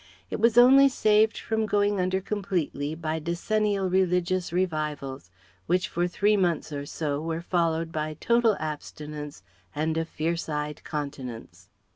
It was only saved from going under completely by decennial religious revivals, which for three months or so were followed by total abstinence and a fierce eyed continence.